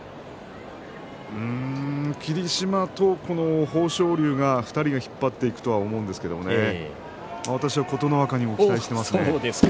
霧島と豊昇龍の２人が引っ張っていくと思うんですけれど私は琴ノ若にも期待しています。